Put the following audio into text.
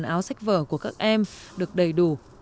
áo sách vở của các em được đầy đủ